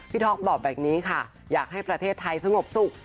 ท็อปบอกแบบนี้ค่ะอยากให้ประเทศไทยสงบสุข